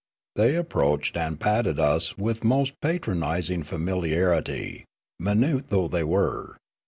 They approached and patted us with most patronising familiarit}', minute though they were.